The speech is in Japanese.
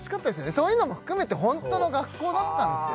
そういうのも含めてホントの学校だったんですよ